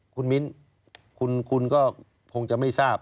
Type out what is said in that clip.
คุณมิ้นคุณก็คงจะไม่ทราบ